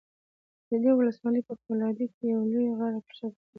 د دې ولسوالۍ په فولادي کې د یوه لوی غره په شکل پروت دى